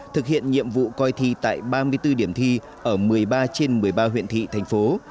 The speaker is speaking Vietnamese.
thực hiện nhiệm vụ coi thi tại ba mươi bốn điểm thi ở một mươi ba trên một mươi ba huyện thị thành phố